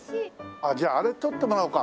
じゃああれ撮ってもらおうか。